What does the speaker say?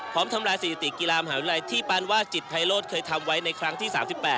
ทำลายสถิติกีฬามหาวิทยาลัยที่ปานวาดจิตภัยโลศเคยทำไว้ในครั้งที่๓๘